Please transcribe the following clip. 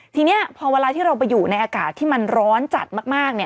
ทีนี้พอเวลาที่เราไปอยู่ในอากาศที่มันร้อนจัดมาก